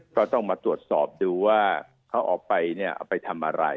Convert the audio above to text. ก็ต้องมาตรวจสอบดูว่าเขาออกไปเนี่ยเอาไปทำอะไร